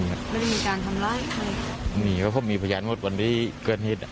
ไม่มีเพราะมีพยานหมดวันนี้เกินฮิต